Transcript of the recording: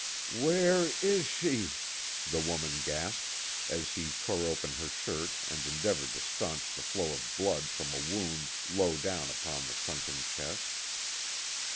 "Where is she?" the woman gasped, as he tore open her shirt and endeavored to staunch the flow of blood from a wound low down upon the sunken chest.